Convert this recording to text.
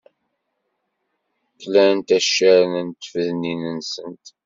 Klant accaren n tfednin-nsent.